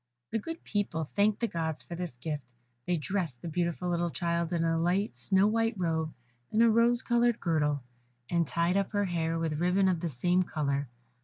The good people thanked the Gods for this gift; they dressed the beautiful little child in a light snow white robe, with a rose coloured girdle, and tied up her hair with ribbon of the same colour.